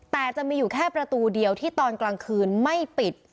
แต่จะมีอยู่แค่ประตูเดียวที่ตอนกลางคืนไม่ปิด